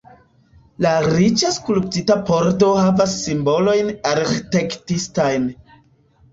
La riĉe skulptita pordo havas simbolojn arĥitektistajn.